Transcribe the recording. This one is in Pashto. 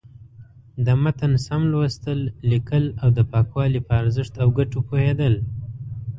د متن سم لوستل، ليکل او د پاکوالي په ارزښت او گټو پوهېدل.